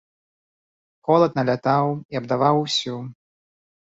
Холад налятаў і абдаваў усю.